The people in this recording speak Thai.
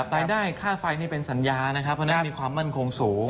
รายได้ค่าไฟที่เป็นสัญญานะครับเพราะมันมั่นคงสูง